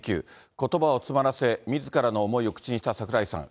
ことばを詰まらせ、みずからの思いを口にした櫻井さん。